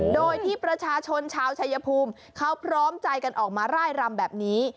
โดยที่ประชาชนชาวชายภูมิเขาพร้อมใจกันออกมาร่ายรำแบบนี้